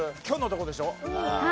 「巨」のとこでしょ？